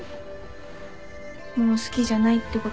もう好きじゃないって事？